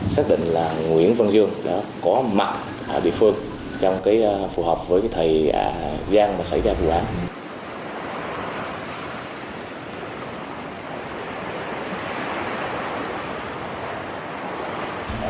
xác định là nguyễn văn dương đã có mặt ở địa phương trong phù hợp với thời gian mà xảy ra vụ án